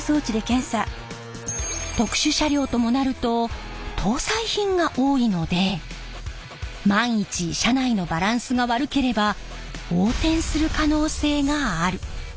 特殊車両ともなると搭載品が多いので万一車内のバランスが悪ければ横転する可能性がある。